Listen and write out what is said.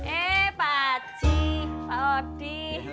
eh pak cik pak odi